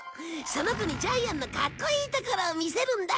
その子にジャイアンのかっこいいところを見せるんだ。